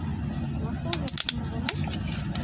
Nasıl yaptın bunu?